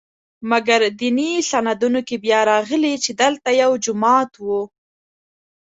مګر دیني سندونو کې بیا راغلي چې دلته یو جومات و.